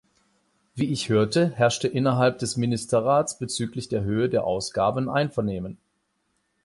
Wie ich hörte, herrschte innerhalb des Ministerrats bezüglich der Höhe der Ausgaben Einvernehmen.